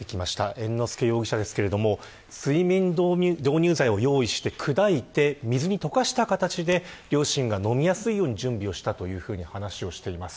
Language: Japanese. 猿之助容疑者ですが睡眠導入剤を用意して、砕いて水に溶かした形で両親が飲みやすいように準備をしたというふうに話をしています。